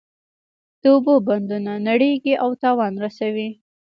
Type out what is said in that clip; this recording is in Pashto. د اوبو بندونه نړیږي او تاوان رسوي.